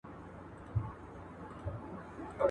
حساب نسته سر پر سر یې زېږومه